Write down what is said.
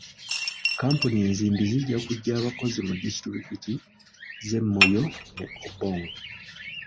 Kampuni enzimbi zijja kujja abakozi mu disitulikiti z'e Moyo ne Obongi.